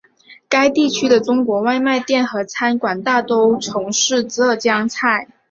该地区的中国外卖店和餐馆大多从事浙江菜。